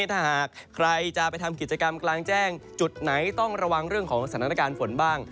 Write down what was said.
ถ้าหากใครจะไปทำกิจกรรมกลางแจ้งจุดไหนต้องระวังเรื่องของสถานการณ์ฝนบ้าง